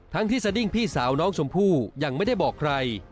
ที่สดิ้งพี่สาวน้องชมพู่ยังไม่ได้บอกใคร